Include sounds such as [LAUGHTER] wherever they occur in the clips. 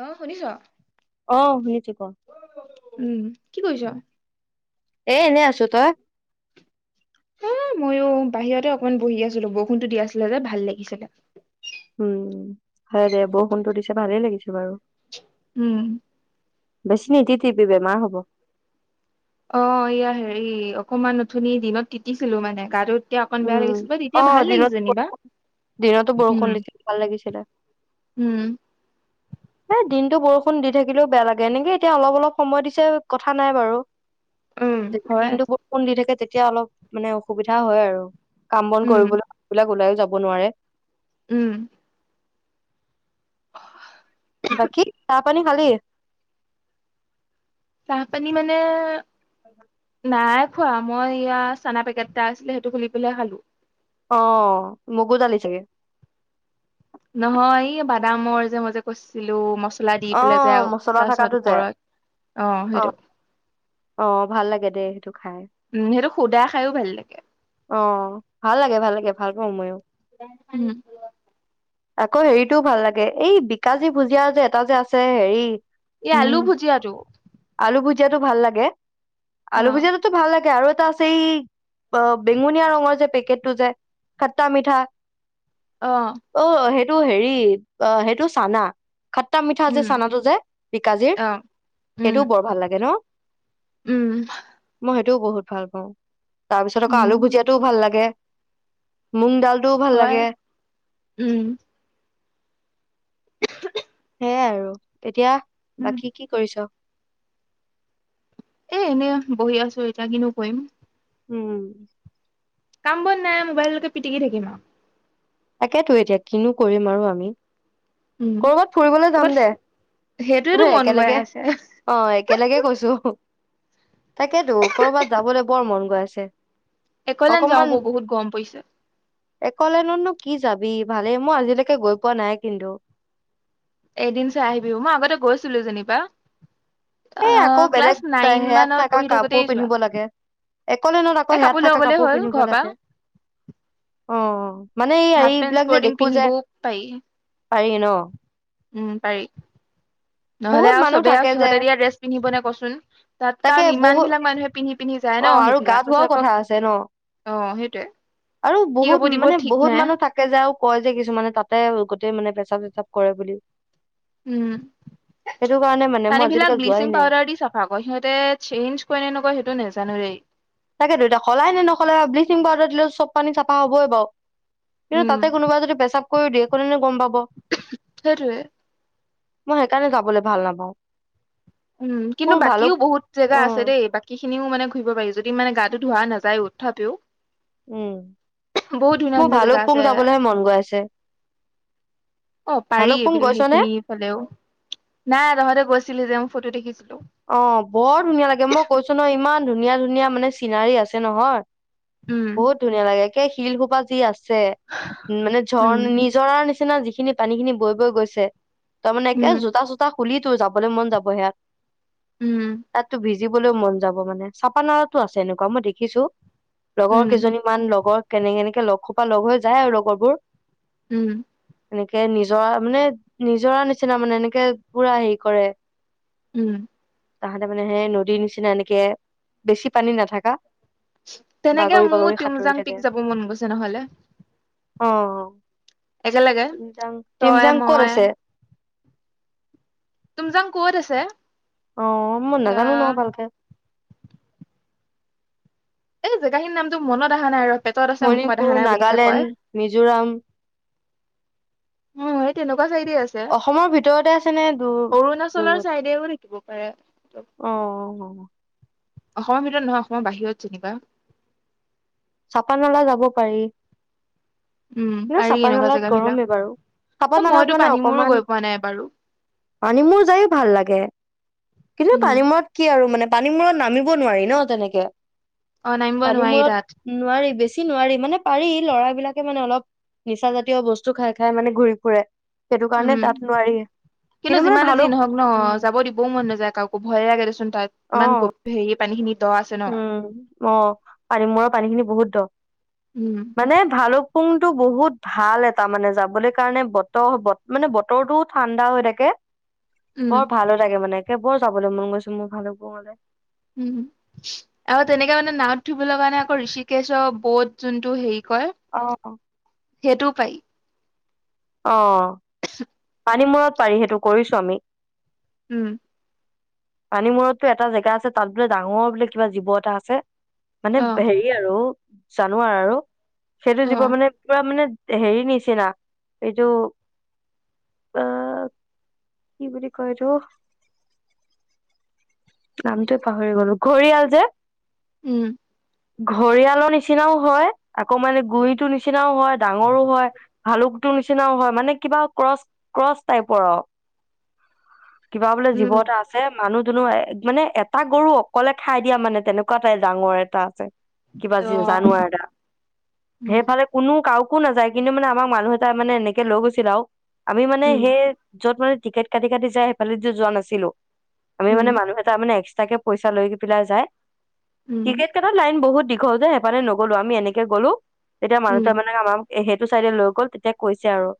অহ শুনিছ? অহ শুনিছোঁ ক। উম কি কৰিছ? এ এনে আছোঁ, তই? মইয়ো বাহিৰতে অকনমান বহি আছিলোঁ। বৰষুণতো দি আছিলে যে ভাল লাগিছিলে। উম হয় দে। বৰষুণতো দিছে, ভালে লাগিছে। বাৰু। উম। বেছি নিতিতিবি বেমাৰ হ'ব। অঁহ এয়া হেৰি, অকনমান অথনি দিনত তিতিছিলোঁ মানে গা তু- উম অঁহ দিনত, [UNINTELLIGIBLE] দিনতো বৰষুণ উম দিছিল, ভাল লাগিছিলে। উম এ দিনটো বৰষুণ দি থাকিলেও বেয়া লাগে। এনেকে এতিয়া অলপ অলপ সময় দিছে, কথা নাই বাৰু। [UNINTELLIGIBLE] হয় তে- এতিয়া অলপ, মানে অসুবিধা হয় আৰু। কাম বন উম কৰিবল [INAUDIBLE] ওলাই- যাব নোৱাৰে। উম। বাকী চাহ-পানী খালী? চাহ-পানী মানে- [UNINTELLIGIBLE] নাই খোৱা। মই ইয়া, চানা পেকেট এটা আছিলে সেইটো খুলি পেলাই খালোঁ। অঁহ, মগুদালি চাগে। নহয় এই বাদামৰ যে, মই যে কৈছিলোঁ মচ- অঁহ মোচনা থকাতো যে? অ সেইটো অঁহ, অঁহ ভাল লাগে। দে খাই উম সেইটো সুদা খাইও ভাল লাগে। অঁ ভাল লাগে ভাল লাগে ভাল মই য়ো উম আকৌ হেৰিতও ভাল লাগে এই বিকাজী ভুজিয়া যে এটা যে আছে হেৰি এই আলু ভুজিয়া আৰু ভুজিয়াতো ভাল লাগে আলু ভুজিয়া তো ভাল লাগে আৰু আৰু এটা আছে অঁ বেঙুনীয়া ৰঙৰ যে পেকেট টটো যে খট্টা মিঠা অ' অঁ সেইটো সটো হেৰি অঁ সেইটো চানা খট্টা মিঠা যে উম চানাটো যায় বিকাজিৰ অ উম সেইটোও বৰ ভাল লাগে ন উম মই সেইটোও বহুত ভাল পাওঁ তাৰপিছত আকৌ আলু উম ভুজিয়াতটোওঁ ভাল লাগে মোং দাল হয় উম। [UNINTELLIGIBLE] সয়াই আৰু এতিয়া। উম বাকী কি কৰিছ। এ এনেই বহি আছো এতিয়া কিনু কৰিম। উম। কাম বন নাই মোবাইললৈকে পিটিকি থাকিম আৰু। তাকেতো এতিয়া কিনো কৰিম আৰু আমি। উম কৰবাত ফুৰিবলৈ যাম ক'ৰবাত দে। সেইটোয়েতো হ মন গৈ একেলগে আছে অ একেলগে কৈছো। তাকেতো কৰবাত যাবলৈ বৰ মন গৈ আছে। একলোন যাও ব বহুত গম পাইছে। একলেনোনো কি যাবি ভালেই মই আজিলৈকে গৈ পোৱা নাই কিন্তু। এদিন চাই আহিবি মই আগতে গৈছিলো যেনিবা। এ আহ আকৌ ক্লাছ বেলেগ নাইন হেয়াত মানত থকা পঢ়ি কাপোৰ থাকোতেই যোৱা পিন্ধিব লাগে। অলে নত আকৌ এ হেয়াত লৈ থকা গ'লেই কাপোৰ হ'ল পিন্ধিব ঘৰৰ পৰা লাগে অ। মানে এই এই হাফ পেন্ট এইবিলাক যে স্পৰ্টিং দেখো যোয় পিন্ধিবও পাৰি পাৰি ন। উম পাৰি নহলে বহুত আৰু মানুহ চবে থাকে আৰু যে সিহঁতে দিয়া ড্ৰেছ পিন্ধিব নে কচোন তাত তাকে কাৰণ ইমান বহুত বিলাক মানুহে পিন্ধিব। অ আৰু গা ধোৱাও কথা আছে ন অ সেইটোয়ে আৰু কি কাপোৰ বহুত দিব মানে ঠিক বহুত নাই মানুহ থাকে যে আৰু কয় যে কিছুমানে তাতে গোটেই মানে। হিচাপ চচাপ কৰে বুলি। উম সেইটো কাৰণে মানে মই পানী আজিলৈকে বিলাক যোৱাই ব্লিচিং নাই পাউদাৰ দি চাফা কৰে সিহঁতে চেইঞ্জ কৰে নে নকয় সেইটো নেজানো দেই। তাকেত দুইতটা সলাই নে নকলে বা বলিচিং পউাৰ দিলে চব পানী চাফা হবই বাৰু। কিন্তু উম তাতে কোনোবা যদি পেচা। ক দিয় কোনে গম পাব। সেইটোৱেই। মই সেইকাৰণে যাবলৈ ভাল নাপাওঁ। উম কিন্তু মোৰ ভালুক বাকীও বহুত জেগা অ আছে। দেই বাকী খিনিও মানে ঘূৰিব পাৰিছো। যদি মানে গাটো ধোৱা নাযায় তথাপিও। উম। বহুত ধুনীয়া মোৰ ধুনীয়া জেগা ভালুকপুং আছে। যাবলৈহে মন গৈ আছে অ পাৰি ভালুকপুং বোলে গৈছ নে সেইখিনিফালেও নাই তহঁতে গৈছ। চছিলি য। ফটো দেখিছিলো। অ বৰ ধুনীয়া লাগে মই কৈছো নহ ইমান ধুনীয়া ধুনীয়া মানে চিনাৰী আছে নহয়। উম বহুত ধুনীয়া লাগে। সেই শিলসোপা যি আছে। মানে, উম ঝৰ নিজৰা নিচি- নিচিনা যিখিনি পানী খিনি বৈ বৈ গৈছে। তাৰ মানে, একে উম জোঁতা চোঁতা খুলি তো যাবলৈ মন যাব সেইয়াত। উম! ভিজিবলৈ মন যাব মানে, [UNINTELLIGIBLE] আছে এনেকুৱা মই দেখিছোঁ। লগৰ উম কেইজনী মান, লগৰ কেনেকে এনেকে লগ সোপা লগ হৈ যায় আৰু লগৰবোৰ। উম! এনেকে নিজৰা মানে, নিজৰা নিচিনা মানে, এনেকে পুৰা হেৰি কৰে। উম! তাহাঁতে মানে, সে নদীৰ নিচিনা এনেকে বেছি পানী নাথাকা তেনেকে বাগৰি বাগৰি মোৰ সাঁতুৰি তিংজাং পিক যাব মন গৈছে নহ'লে অঁ! একেলগে। তই ক'ত মই আছে টিমজাং ক'ত আছে? অ' মই এয়া নেজানো নহয় ভালকে। এই জেগাখিনি নামটো মনত অহা নাই ৰ'। পেটত আছে মুখত অহা মণিপুৰ, নাই বুলি যে কয় নাগালেণ্ড, মিজোৰাম। উম, [UNINTELLIGIBLE] আছে অসমৰ ভিতৰতে আছেনে। দূৰ, দূৰত। দিব পাৰে। অ' অসমৰ ভিতৰত নহয়, অসমৰ বাহিৰত যেনিবা চাপানলা যাব পাৰি! উম কিন্তু, পাৰি এনেকুৱা চাপানালাত জেগা বিলাক গৰম এই বাৰু চাপাানালাত মইতো মানে, পানী মূৰো অকমান গৈ পোৱা নাই বাৰু পানী মূৰ যায়ো ভাল লাগে। কিন্তু, উম পানী মূৰত কি আৰু মানে পানী মূৰত নামিব নোৱাৰি ন' তেনেকে। অ' নামিব নোৱাৰি পানীমূৰত তাত। নোৱাৰি, বেছি নোৱাৰি। মানে, পাৰি ল'ৰাবিলাকে মানে, অলপ নিচা জাতীয় বস্তু খাই খাই মানে ঘূৰি ফুৰে। সেইটো কাৰণে উম! তাত নোৱাৰি কিন্তু, মানে যিমানে ভালো যি নহওক ন' উম যাব দিবও মন নাযায় কাকো ভয়ে লাগে দেছো তাত অ ইমান [UNINTELLIGIBLE] হেৰি পানী খিনিত। উম! অ' পানী মূৰৰ পানী খিনি বহুত দ'। উম মানে, ভালো। পুংটো বহুত ভাল এটা মানে, যাবলৈ কাৰণে, বতৰ, মানে, বতৰটোও ঠাণ্ডা হৈ থাকে। উম, বৰ ভালো লাগে মানে বৰ যাবলৈ মন গৈছে মোৰ ভাল হব মলে উম আৰু তেনেকে মানে নাৱত ধুবলৈ কাৰণে আকৌ ঋষিকেশৰ বোধ যোনটো হেৰি আহ সেইটো পায় অ পানী মূল পাৰি সেইটো কৰিছো আমি উম পানী মূুৰৰতটো এটা জেগা আছে তাত বোলে ডাঙৰ বোলে কিবা জীৱ এটা আছে মানে অ', হেৰি আৰু জানুৱাৰ আৰু সেইটো জীৱ অ', মানে পৰা মানে হেৰি নিচিনা এইটো আহ কি বুলি কয় এইটো নামটোৱে পাহৰি গলো ঘৰিয়াল যে উম ঘৰিয়ালৰ নিচিনাও হয় আকৌ মানে গুৰিতো নিচিনা নিচিনাও হয় ডাঙৰো হয় ভালো নিচিনাও হয় মানে কিবা ওপৰৰ কপ্ টাইপৰ কিবা বোলে জীৱ উম, এটা আছে মানুহ বোলো হয় মানে এটা গৰু অকলে খাই দিয়া মানে তেনেকুৱা নাই ডাঙৰ এটা আছে কিবা অ', জানোৱাৰ এটা উম, সেইফালে কোনো কাৰ একো নাযায় কিন্তু মে আমাক মানুহ এটা মানে এনেকে লৈ গৈছিল আৰু আমি মানে উম, সেই যত মানে টিকেট কাটি কাটি যাই সেইফালে যোৱা নাছিলো আমি উম, মানে মানুহে এক্সটাকে পইচা লৈ পেলাই যায় উম, টিকেত কাটা লাইন বহুত দীঘল যে হেকানে নগ'লো আমি এনেকে গ'লো তেতিয়া মানুহে উম, মানে আমাক এ সেইটো চাইডে লৈ গ'ল তেতিয়া কৈছে আৰু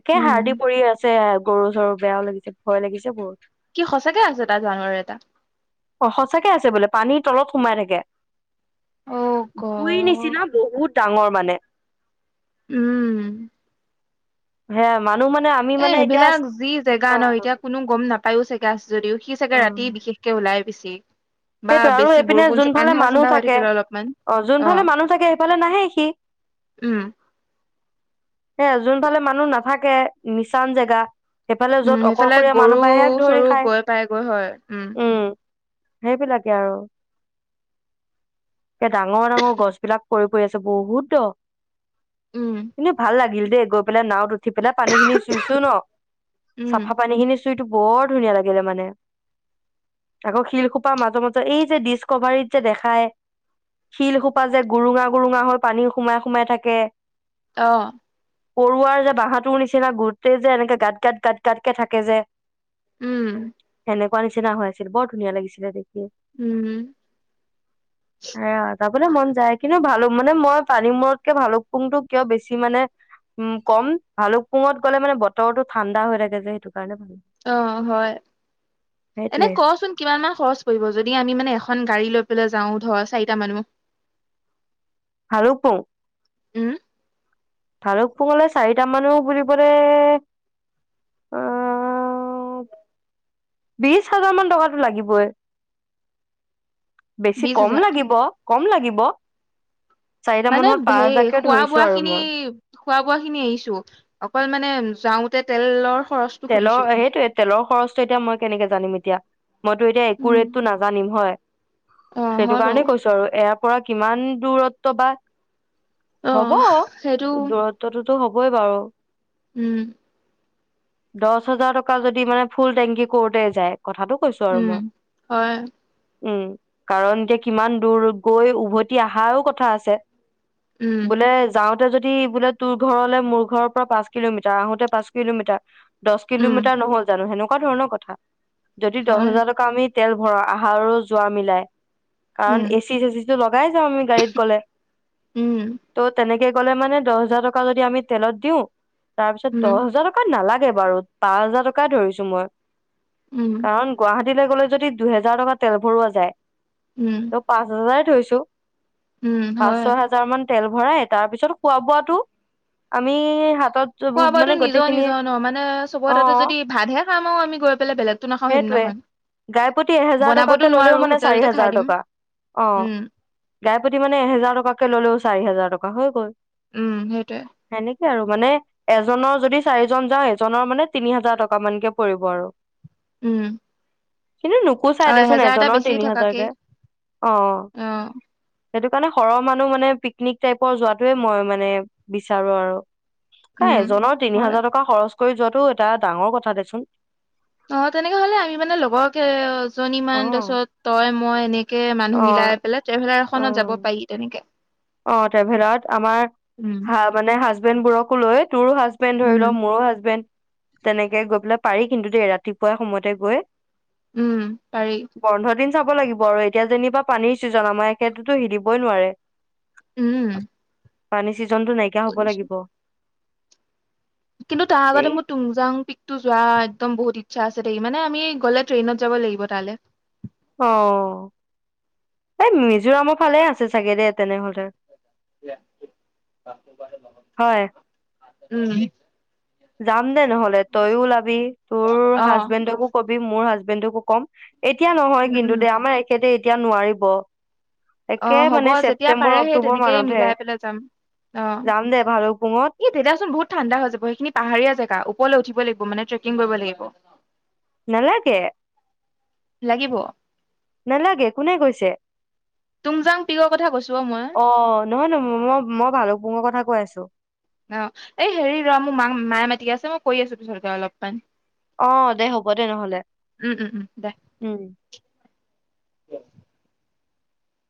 একে শাৰ্ দি উম, পৰি আছে গৰু চৰু বেয়াও লাগিছে ভয় লাগিছে বহুত কি সঁচাকে আছে তাৰ জানাৰ এটা অ সঁচাকে আছে বোলে পানীৰ তলত সোমাই থাকে অ', বুই গড নিচিনা বহুত ডাঙৰ মানে উম হে ম এবিলাক যি জেগা ন এতিয়া কোনো গম নাপায়ো চাগে [INAUDIBLE] যদিও সি চাগে ৰাতি বিশেষকে ওলাই বছি সেইটো আৰু এইপিনে যোনফালে মানুহ হৈ থাকে থাকিলে অলপমান অ যোনফালে মানুহ থাকে সেইফালে নাহে সি উম, এ যোনফালে মানুহ নাথাকে মিচান জেগা সেইফালে উম য'ত সেইফালে অকলশৰীয়া গৰু মানুহ পায় সেয়াক ধৰি চৰু খায় গৈ পাইগৈ হয় উম সেইবিলাকে আৰু এ ডাঙৰ ডাঙৰ গছ বিলাক পৰি পৰি আছে বহুত দ উম কিন্ত ভাল লাগিল দে গৈ পেলে না ত উঠি পেলাই পানী খিনি চুইছো ন উম চাফা পানী খিনি টো বৰ ধুনীয়া লাগিলে মানে আকৌ শিল খু মাজে মাজত এই যে ডিচকভাৰীত যে দেখাই শিলসোপা যে গুৰুঙা গুৰুঙা হৈ পানী সোমাই সোমাই থাকে আহ পৰুৱাৰ যে বাঁহটোৰ নিচিনা গোটেই যে এনেকে গাত গাত গাত গাতকে থাকে যে উম এনেকুৱ নিচনা হৈ আছিল বৰ ধুনীয়া লাগিছিল [INAUDIBLE] উম যাবলৈ মন যায় কিন্তু ভালো মানে মই পানী মূৰতকে ভালুকপুং টো কিয় বেছি মানে উম কম ভালুকপুঙত গলে মানে বতৰটো ঠাণ্ডা হৈ থাকে যিহেতু অ হয় এনে সেইটোয়ে কচোন কিমান মাহ খৰচ কৰিব যদি আমি মানে এখন গাড়ী লৈ পেলাই যাও ধৰ চাৰিটা মানুহ ভালোঁক পুং উম ভালুকপুং লে চাৰিট মানো বিবলে আহ বিশ হাজাৰ মান টকাটো লাগিবই বেছি বিশ কম হাজাৰ লাগিব কম লাগিব চাৰিটা মানে মানুহত পাঁচ হে হাজাৰকে খোৱা ধৰিছো বোৱা আৰু খিনি মই খোৱা বোৱা খিনি আহিছো অকল মানে যাওঁ তে তেলৰ খৰচটো তেলৰ সুধিছো সেইটোয়ে তেলৰ খৰচটো এতিয়া মই কেনেকে জানিম এতি এতিয়া মইতো এতিয়া একো উম ৰেটটো নাজানিম হয় অ সেইটো হয় বাৰু কাৰণেই কৈছো আৰু এ কৰা কিমান দূৰত্ব বা অ হব সেইটো দূৰত্বটো টো হ'বই বাৰু উম দহ হাজাৰ টকা যদি মানে ফুল টেংকি কৰোতে যায় কথাটো কৈছো আৰু উম মই হয় উম কাৰণ এতিয়া কিমান দূৰ গৈ উভতি অহাও কথা আছে উম বোলে যাওঁ তাতে যদি বোলে তোৰ ঘৰলে মোৰ ঘৰৰ পৰা পাঁচ কিলোমিটাৰ আহোতে পাঁচ কিলোমিটাৰ দহ উম কিলোমিটাৰ নহল জানো সেনোক এনেকোৱা ধৰণৰ কথা যদি দহ হয় হাজাৰ টকা আমি তেল ভৰা আহা আৰু যোৱা মিলাই কাৰণ উম এচি চেচিটো লগাই যাওঁ আমি গাড়ীত গ'লে উম ত' তেনেক তে গ'লে মানে দহ হাজাৰ টকা যদি আমি তেলত দিওঁ তাৰ পিছত উম দহ হাজাৰ টকা নালাগে নালাগে বাৰু পাঁচ হাজাৰ টকাই ধৰিছো মই উম, কাৰণ গুৱাহাটী দিলে গ'লে যদি দুহেজাৰ টকা তেল ভৰোৱা যায় উম, ত পাঁচ হাজাৰ ধৰিছো উম, ত পাঁচ হয়। ছয় হাজাৰ মান তেল ভৰাই এটাৰ পিছত খোৱা বোৱাটো আমি হাতত খোৱা মানে বোৱাতো নিজৰ গোটেইখিনি নিজৰ ন মানে চবৰ অ তাতে যদি ভাতহে খাম আৰু আমি গৈ পেলাই বেলেগতো নাখাওঁ সেইটোৱে সেইদিনাখন। গাইপতি এহেজাৰ বনাবতো টকাকে ললেও নোৱাৰো মানে চাৰি হোটেলতে খাই হেজাৰ দিম। টকা অ উম, গাইপতি মানে এহেজাৰ টকাকে ললেও চাৰি হেজাৰ হাজাৰ টকা হৈ গ'ল উম সেইটোৱে সেনেকে আৰু মানে এজনৰ যদি চাৰিজন যাওঁ জনৰ মানে তিনি হাজাৰ টকা মানকে পৰিব আৰু উম কিন্তু নোপোচাই আৰু দেচোন এহেজাৰ এটা এজনৰ বেছি তিনি থাকাকেই হাজাৰকে অ সেইটো মানে সৰহ মানুহ মানে পিকনিক টাইপৰ যোৱাাতোৱে মই মানে বিচাৰো আৰু উম। এজনৰ তিনি হয় হাজাৰ টকা খৰচ কৰি যোৱাটো এটা ডাঙৰ কথা দেচোন অ তেনেকে হলে আমি মানে লগৰকে এজনী অ মমান তাৰিছত তই মই এনেকে অ মানুহ মিলাই পেলাই ট্ৰেভেলাৰ এখনত যাব পাৰি তেনেকে অঁ টভেলত আমাৰ উম, হাঁ মানে হাজবেণ্ড বোৰক কলৈ তোৰো হাজবেণ্ড ধৰি উম, ল মোৰো হাজবেণ্ড তেনেকে গৈ পেলাই পাৰি কিন্তু দেেই ৰাতিপুৱা সময়তে গৈ উম পাৰি বন্ধ দিন চাব লাগিব আৰু এতিয়া যেনিবা পানীৰ ছিজন আমাৰ সেইেততো সিদিবই নোৱাৰে উম, [UNINTELLIGIBLE] পানী চিজন জন্তটো নাইকিয়া হ'ব বুজিছো। লাগিব কিন্তু তাৰ আগতে এই মোৰ তুংজাং পিকতো যোৱা একদম বহুত আচ্ছা আছে থাকি মানে আমি গ'লে ট্ৰেইনত যাব লাগিব তালৈ অঁ' এই মিজোৰামৰ ফালে আছে চাগে দেেই তেনেহলেহে। উম। যাঁও নহলে তইয়ো ওলাবি, তোৰ অ হাজবেণ্ড কবি মোৰ হাজবেণ্ড ভিনড ও অঁ কম এতিয়া নহয় উম কিন্তু দে আমাৰ এখেতে এতিয়া নোৱাৰিব একে অঁ, হ'ব মানে যেতিয়া ছেপ্তেম্বৰ পাৰে সেই অক্টোবৰ তেনেকেই মানতহে মিলাই পেলাই যাম অ যাম দে ভালুকপুঙত ই তেতিয়াচোন বহুত ঠাণ্ডা হৈ যাব সেইখিনি পাহাৰীয়া জেগা ওপৰলৈ উঠিব লাগিব মানে ট্ৰেকিং কৰিব লাগিব নালাগে লাগিব নালাগে কোনে কৈছে? তুমজাং পিকৰ কথা কৈছো। অ মই অঁ নহয় নো মই মই ভালুং পুংৰ কথা কোৱা নাছিলো গৈ আছো অঁ, এই হেৰি ৰ মোৰ মাক মায়ে মাতি আছে মই কৈ আছো পিছতকৈ আছো অলপমান।। অঁ, দে হ'ব দে নহলে উম উম উম দে। উম